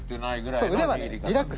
そう腕はねリラックス。